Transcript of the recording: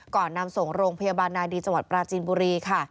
นำส่งโรงพยาบาลนาดีจังหวัดปราจีนบุรีค่ะ